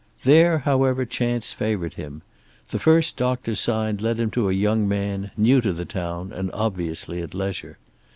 There, however, chance favored him. The first doctor's sign led him to a young man, new to the town, and obviously at leisure.